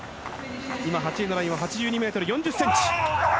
今８位のラインは８２ｍ４０ｃｍ。